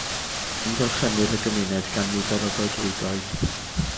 Amgylchir y gymuned gan nifer o goedwigoedd.